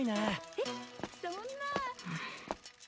えっそんな！